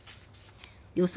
予想